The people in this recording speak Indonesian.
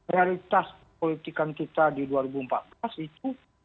realitas politikan kita di dua ribu empat belas itu